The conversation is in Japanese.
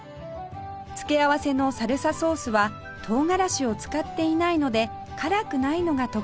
つけ合わせのサルサソースは唐辛子を使っていないので辛くないのが特徴です